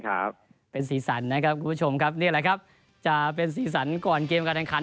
คนที่ใส่เสื้อเกียร์เตี๋ยวโตมัน